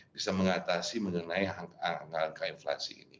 bisa mengatasi mengenai angka angka inflasi ini